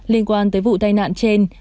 liên quan tới vụ tai nạn trên